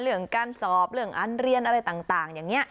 เรื่องการสอบเรื่องอันเรียนอะไรต่างอย่างนี้